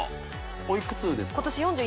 おいくつですか？